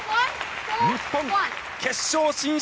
日本、決勝進出！